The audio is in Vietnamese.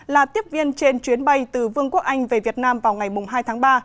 là tiếp viên trên chuyến bay từ vương quốc anh về việt nam vào ngày hai tháng ba